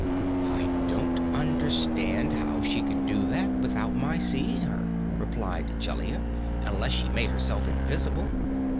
"I don't understand how she could do that without my seeing her," replied Jellia, "unless she made herself invisible."